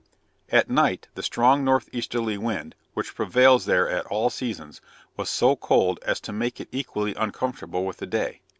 At night the strong north easterly wind, which prevails there at all seasons, was so cold as to make it equally uncomfortable with the day.